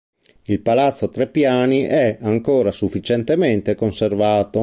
Il palazzo a tre piani è ancora sufficientemente conservato.